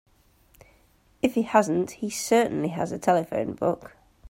If he hasn't he certainly has a telephone book.